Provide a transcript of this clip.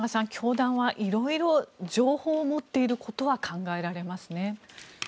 吉永さん、教団は色々情報を持っていることは考えられますね。